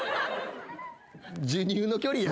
授乳の距離や。